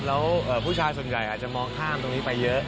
แล้วผู้ชายส่วนใหญ่อาจจะมองข้ามตรงนี้ไปเยอะ